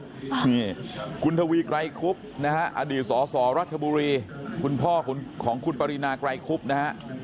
นี่คุณทวีไกรคุบนะฮะอดีตสสรัชบุรีคุณพ่อของคุณปรินาไกรคุบนะฮะ